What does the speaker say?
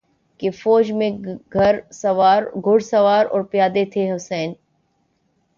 کی فوج میں گھرسوار اور پیادے تھے حسین